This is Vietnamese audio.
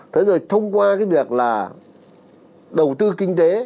thế rồi thông qua cái việc là đầu tư kinh tế